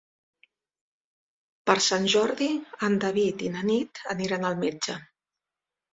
Per Sant Jordi en David i na Nit aniran al metge.